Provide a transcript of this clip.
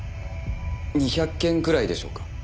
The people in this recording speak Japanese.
２００件くらいでしょうか？